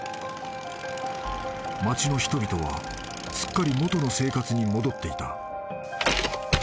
［町の人々はすっかり元の生活に戻っていた］